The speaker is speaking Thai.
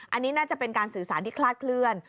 อันนี้น่าจะเป็นการสื่อสารที่คลาดเคลื่อน